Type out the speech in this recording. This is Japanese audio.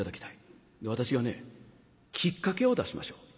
で私がねきっかけを出しましょう。